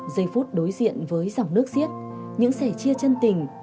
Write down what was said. giây phút đối diện với dòng nước xiết những sẻ chia chân tình